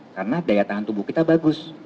karena daya tahan tubuh kita bagus